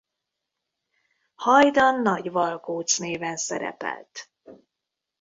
Hajdan Nagy-Valkócz néven szerepelt.